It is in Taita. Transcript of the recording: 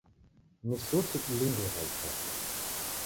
Ni suti dilindie w'aisanga.